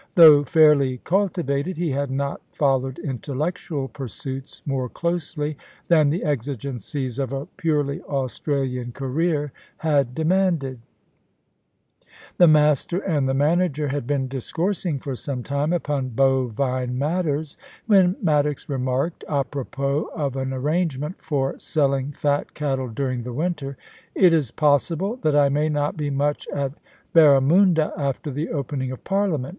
Though fairly cultivated, he had not followed intellectual pursuits more closely than the exigencies of a purely Australian career had demanded The master and the manager had been discoursing for some time upon bovine matters, when Maddox remarked, apropos of an arrangement for selling fat cattle during the winter :* It is possible that I may not be much at Barra munda after the opening of Parliament.